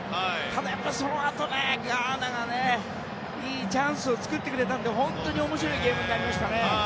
ただ、やっぱりそのあとガーナがいいチャンスを作ってくれたので本当に面白いゲームになりましたね。